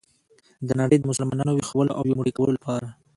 د نړۍ د مسلمانانو ویښولو او یو موټی کولو لپاره.